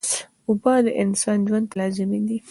اوبه د انسان ژوند ته لازمي دي